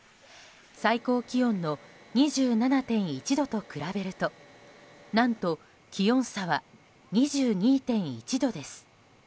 最高気温の２７．１度と比べると何と、気温差は２２．１度です。